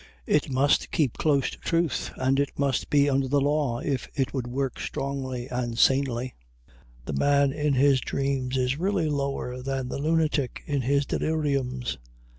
It must keep close to truth, and it must be under the law if it would work strongly and sanely. The man in his dreams is really lower than the lunatic in his deliriums.